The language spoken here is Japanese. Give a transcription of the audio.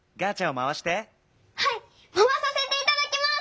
まわさせていただきます！